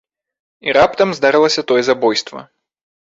І раптам здарылася тое забойства.